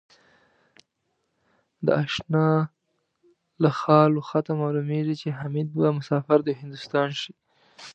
د آشناله خال و خطه معلومېږي ـ چې حمیدبه مسافر دهندوستان شي